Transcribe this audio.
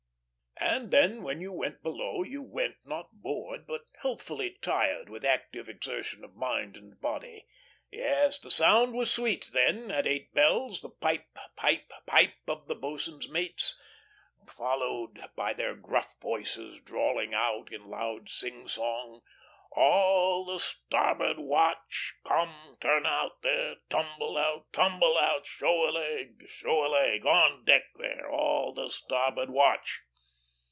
And then, when you went below, you went, not bored, but healthfully tired with active exertion of mind and body. Yes; the sound was sweet then, at eight bells, the pipe, pipe, pipe, pipe of the boatswain's mates, followed by their gruff voices drawling out, in loud sing song: "A a a all the starboard watch! Come! turn out there! Tumble out! Tumble out! Show a leg! Show a leg! On deck there! all the starboard watch!"